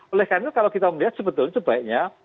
oleh karena itu kalau kita melihat sebetulnya sebaiknya